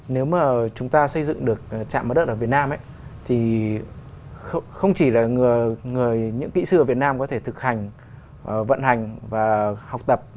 nếu mà chúng ta xây dựng được trạm mất đất ở việt nam thì không chỉ là những kỹ sư ở việt nam có thể thực hành vận hành và học tập